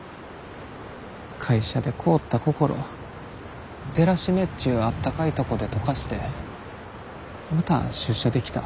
会社で凍った心デラシネっちゅうあったかいとこで解かしてまた出社できた。